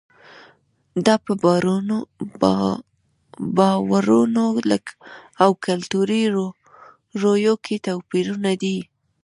دا په باورونو او کلتوري رویو کې توپیرونه دي.